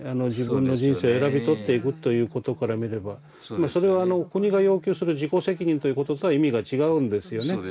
自分の人生を選び取っていくということから見ればそれは国が要求する「自己責任」ということとは意味が違うんですよね。